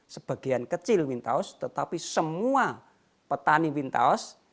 sebagian kecil wintaos tetapi semua petani wintaos